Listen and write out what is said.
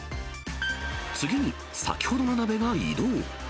次に先ほどの鍋が移動。